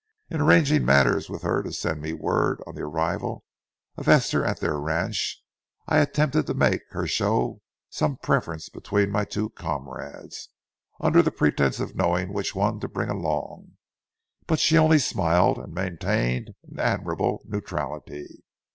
In arranging matters with her to send me word on the arrival of Esther at their ranch, I attempted to make her show some preference between my two comrades, under the pretense of knowing which one to bring along, but she only smiled and maintained an admirable neutrality.